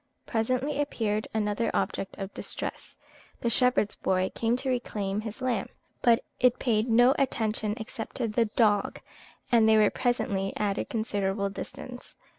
Presently appeared another object of distress. The shepherd's boy came to reclaim his lamb; but it paid no attention except to the dog, and they were presently at a considerable distance.